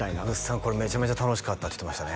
これめちゃめちゃ楽しかったって言ってましたね